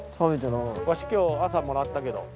ワシ今日朝もらったけど。